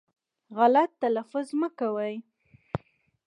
غلط تلفظ مه کوی